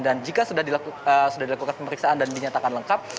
dan jika sudah dilakukan pemeriksaan dan dinyatakan lengkap